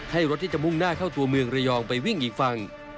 ให้รถที่จะมุ่งหน้าเข้าตัวเมืองระยองไปวิ่งอีกฝั่ง